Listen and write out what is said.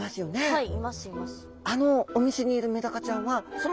はい。